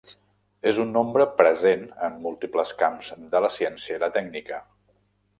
És un nombre present en múltiples camps de la ciència i la tècnica.